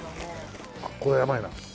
これやばいな。